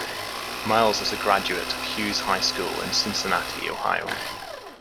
Miles is a graduate of Hughes High School in Cincinnati, Ohio.